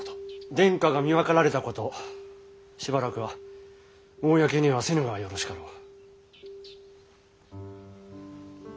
殿下が身まかられたことしばらくは公にはせぬがよろしかろう。